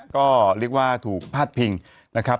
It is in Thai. ก็เรียกว่าถูกพาดพิงนะครับ